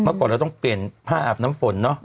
ก่อนเราต้องเปลี่ยนผ้าอาบน้ำฝนเนอะ